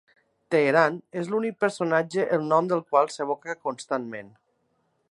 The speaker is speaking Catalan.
Teheran és l'únic personatge el nom del qual s'evoca constantment.